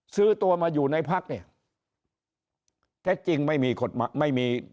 ซื้อตัวมาอยู่ในภักรณ์ถ้าจริงไม่มี